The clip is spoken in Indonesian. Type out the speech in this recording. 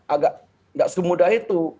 agak nggak semudah itu